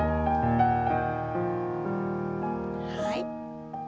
はい。